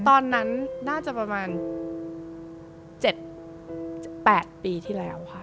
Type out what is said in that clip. ตอนนั้นน่าจะประมาณ๗๘ปีที่แล้วค่ะ